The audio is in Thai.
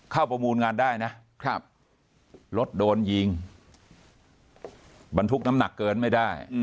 ประมูลงานได้นะรถโดนยิงบรรทุกน้ำหนักเกินไม่ได้